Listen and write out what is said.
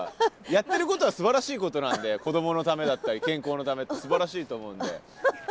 やってることはすばらしいことなんで子どものためだったり健康のためってすばらしいと思うんで。